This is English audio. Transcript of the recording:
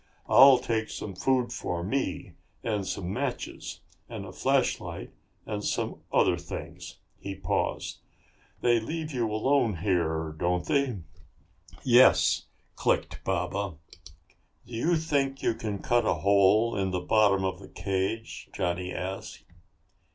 I'll take some food for me and some matches and a flashlight and some other things." He paused. "They leave you alone in here, don't they?" "Yes," clicked Baba. "Do you think you can cut a hole in the bottom of the cage?" Johnny asked.